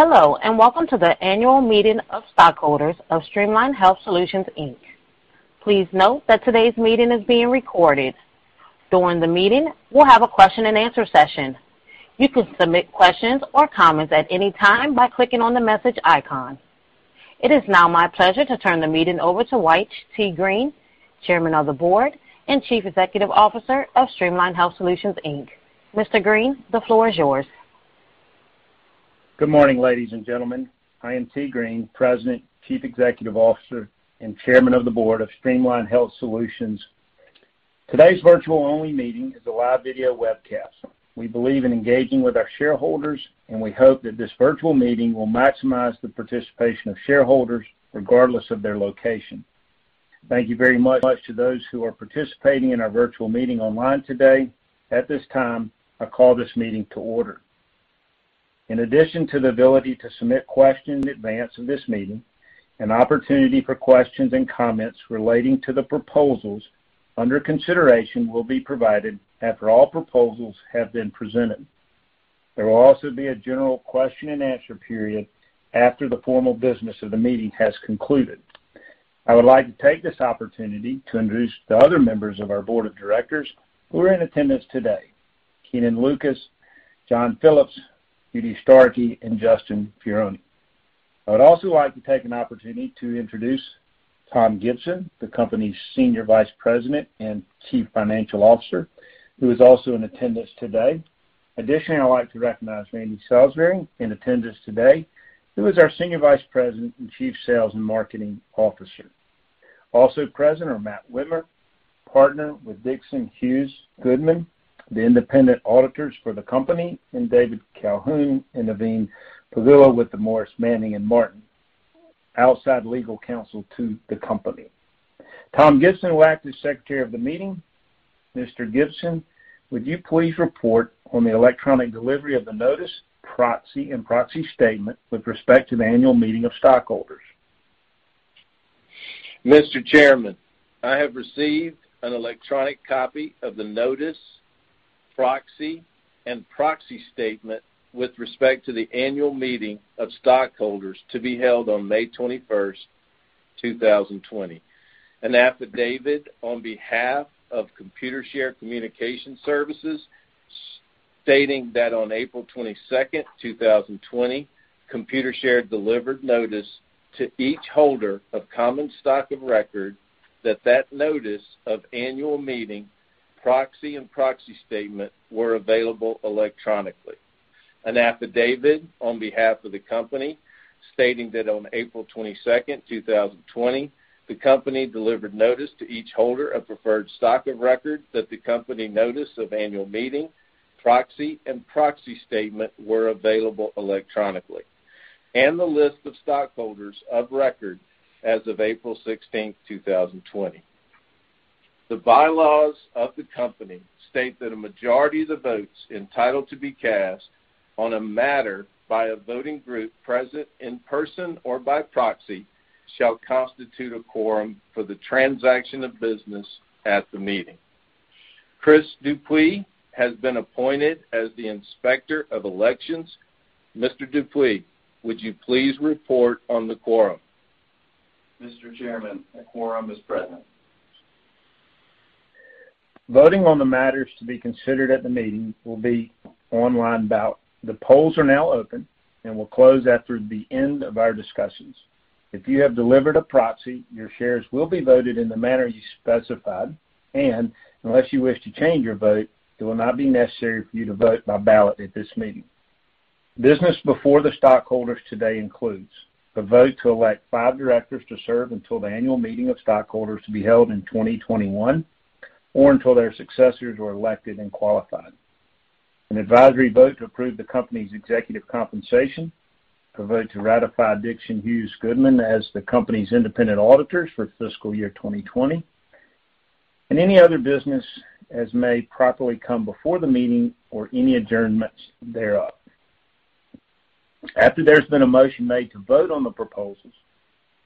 Hello, and welcome to the annual meeting of stockholders of Streamline Health Solutions Inc. Please note that today's meeting is being recorded. During the meeting, we'll have a question and answer session. You can submit questions or comments at any time by clicking on the message icon. It is now my pleasure to turn the meeting over to Wyche T. Green, Chairman of the Board and Chief Executive Officer of Streamline Health Solutions Inc. Mr. Green, the floor is yours. Good morning, ladies and gentlemen. I am T. Green, President, Chief Executive Officer, and Chairman of the Board of Streamline Health Solutions. Today's virtual-only meeting is a live video webcast. We believe in engaging with our shareholders, and we hope that this virtual meeting will maximize the participation of shareholders regardless of their location. Thank you very much to those who are participating in our virtual meeting online today. At this time, I call this meeting to order. In addition to the ability to submit questions in advance of this meeting, an opportunity for questions and comments relating to the proposals under consideration will be provided after all proposals have been presented. There will also be a general question and answer period after the formal business of the meeting has concluded. I would like to take this opportunity to introduce the other members of our board of directors who are in attendance today, Kenan Lucas, John Phillips, Judy Starkey, and Justin Pieroni. I would also like to take an opportunity to introduce Tom Gibson, the company's Senior Vice President and Chief Financial Officer, who is also in attendance today. Additionally, I'd like to recognize Randy Salisbury, in attendance today, who is our Senior Vice President and Chief Sales and Marketing Officer. Also present are Matt Wimmer, partner with Dixon Hughes Goodman, the independent auditors for the company, and David Calhoun and Naveen Pogula with Morris, Manning & Martin, outside legal counsel to the company. Tom Gibson will act as Secretary of the meeting. Mr. Gibson, would you please report on the electronic delivery of the notice, proxy, and proxy statement with respect to the annual meeting of stockholders? Mr. Chairman, I have received an electronic copy of the notice, proxy, and proxy statement with respect to the annual meeting of stockholders to be held on May 21st, 2020. An affidavit on behalf of Computershare Communication Services stating that on April 22nd, 2020, Computershare delivered notice to each holder of common stock of record that notice of annual meeting, proxy, and proxy statement were available electronically. An affidavit on behalf of the company stating that on April 22nd, 2020, the company delivered notice to each holder of preferred stock of record that the company notice of annual meeting, proxy, and proxy statement were available electronically. The list of stockholders of record as of April 16th, 2020. The bylaws of the company state that a majority of the votes entitled to be cast on a matter by a voting group present in person or by proxy shall constitute a quorum for the transaction of business at the meeting. Chris DuPuis has been appointed as the Inspector of Elections. Mr. DuPuis, would you please report on the quorum? Mr. Chairman, a quorum is present. Voting on the matters to be considered at the meeting will be online ballot. The polls are now open and will close after the end of our discussions. If you have delivered a proxy, your shares will be voted in the manner you specified, and unless you wish to change your vote, it will not be necessary for you to vote by ballot at this meeting. Business before the stockholders today includes the vote to elect five directors to serve until the annual meeting of stockholders to be held in 2021 or until their successors are elected and qualified. An advisory vote to approve the company's executive compensation. A vote to ratify Dixon Hughes Goodman as the company's independent auditors for fiscal year 2020. Any other business as may properly come before the meeting or any adjournments thereof. After there's been a motion made to vote on the proposals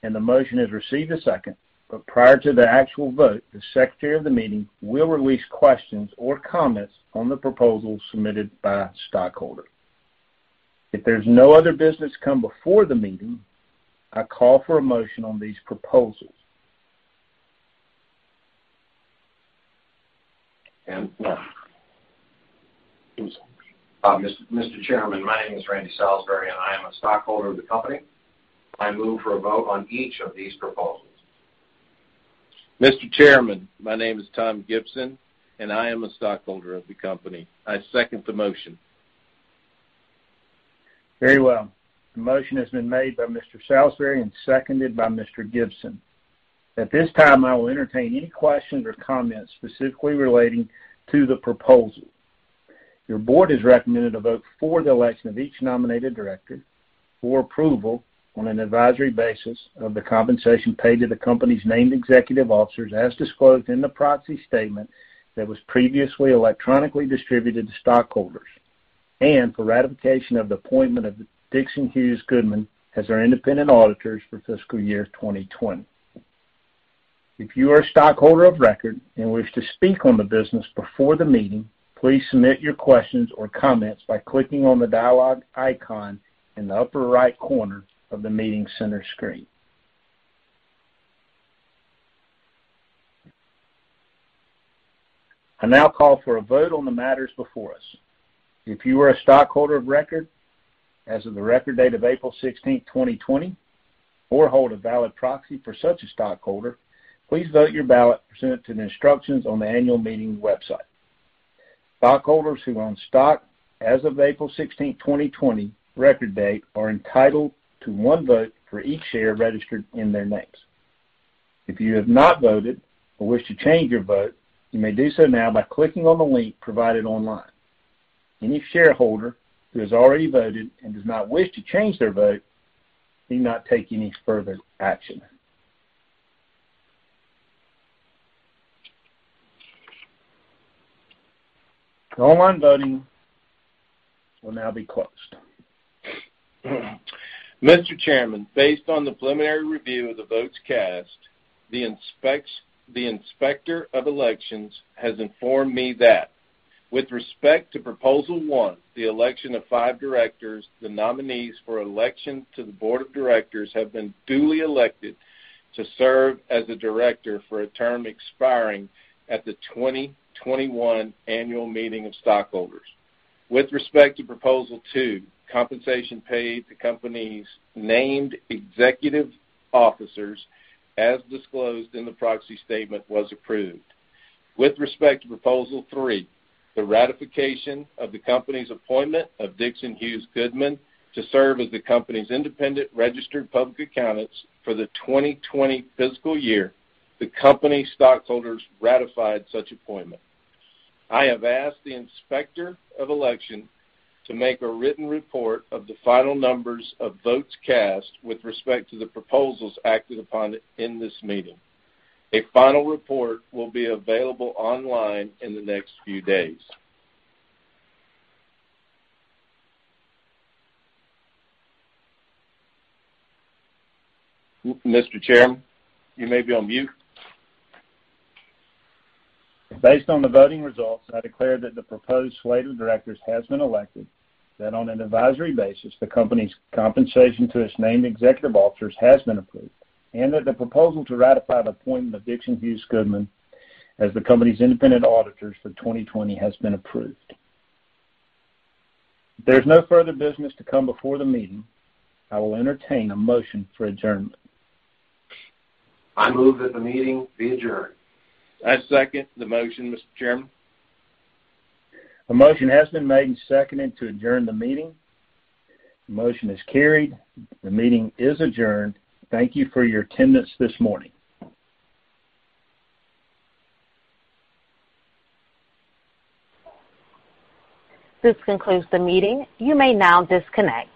and the motion has received a second, prior to the actual vote, the Secretary of the meeting will release questions or comments on the proposals submitted by stockholders. If there's no other business come before the meeting, I call for a motion on these proposals. Mr. Chairman, my name is Randy Salisbury, and I am a stockholder of the company. I move for a vote on each of these proposals. Mr. Chairman, my name is Tom Gibson, and I am a stockholder of the company. I second the motion. Very well. The motion has been made by Mr. Salisbury and seconded by Mr. Gibson. At this time, I will entertain any questions or comments specifically relating to the proposal. Your board has recommended a vote for the election of each nominated director, for approval on an advisory basis of the compensation paid to the company's named executive officers as disclosed in the proxy statement that was previously electronically distributed to stockholders. For ratification of the appointment of Dixon Hughes Goodman as our independent auditors for fiscal year 2020. If you are a stockholder of record and wish to speak on the business before the meeting, please submit your questions or comments by clicking on the dialogue icon in the upper right corner of the meeting center screen. I now call for a vote on the matters before us. If you are a stockholder of record as of the record date of April 16th, 2020, or hold a valid proxy for such a stockholder, please vote your ballot pursuant to the instructions on the annual meeting website. Stockholders who own stock as of April 16th, 2020 record date are entitled to one vote for each share registered in their names. If you have not voted or wish to change your vote, you may do so now by clicking on the link provided online. Any shareholder who has already voted and does not wish to change their vote need not take any further action. The online voting will now be closed. Mr. Chairman, based on the preliminary review of the votes cast, the Inspector of Elections has informed me that, with respect to Proposal one, the election of five directors, the nominees for election to the board of directors have been duly elected to serve as a director for a term expiring at the 2021 annual meeting of stockholders. With respect to Proposal two, compensation paid to the company's named executive officers, as disclosed in the proxy statement, was approved. With respect to Proposal three, the ratification of the company's appointment of Dixon Hughes Goodman to serve as the company's independent registered public accountants for the 2020 fiscal year, the company stockholders ratified such appointment. I have asked the Inspector of Elections to make a written report of the final numbers of votes cast with respect to the proposals acted upon in this meeting. A final report will be available online in the next few days. Mr. Chairman, you may be on mute. Based on the voting results, I declare that the proposed slate of directors has been elected, that on an advisory basis, the company's compensation to its named executive officers has been approved, and that the proposal to ratify the appointment of Dixon Hughes Goodman as the company's independent auditors for 2020 has been approved. If there's no further business to come before the meeting, I will entertain a motion for adjournment. I move that the meeting be adjourned. I second the motion, Mr. Chairman. A motion has been made and seconded to adjourn the meeting. The motion is carried. The meeting is adjourned. Thank you for your attendance this morning. This concludes the meeting. You may now disconnect.